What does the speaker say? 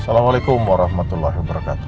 assalamualaikum warahmatullahi wabarakatuh